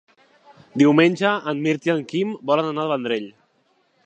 Diumenge en Mirt i en Quim volen anar al Vendrell.